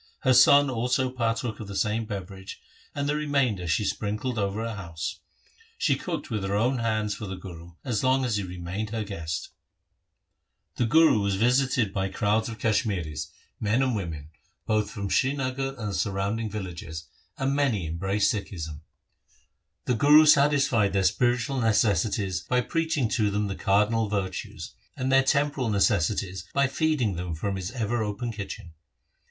Her son also partook of the same beverage, and the remainder she sprinkled over her house. She cooked with her own hands for the Guru as long as he remained her guest. The Guru was visited by crowds of Kashmiris, Gauri Ashtapadi. 2 Maru. LIFE OF GURU HAR GOBIND 63 men and women, both from Srinagar and the sur rounding villages, and many embraced Sikhism. The Guru satisfied their spiritual necessities by preaching to them the cardinal virtues, and their tem poral necessities by feeding them from his ever open kitchen.